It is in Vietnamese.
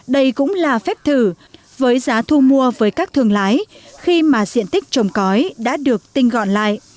đây cũng là phép thử với giá thu mua với các thương lái khi mà diện tích trồng cõi đã được tinh gọn lại